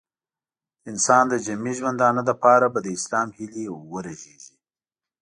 د انسان د جمعي ژوندانه لپاره به د اسلام هیلې ورژېږي.